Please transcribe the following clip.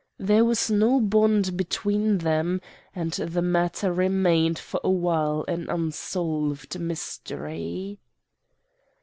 There was no bond between them, and the matter remained for a while an unsolved mystery.